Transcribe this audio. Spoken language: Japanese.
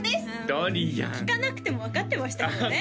ドリアン聞かなくても分かってましたけどね